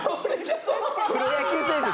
プロ野球選手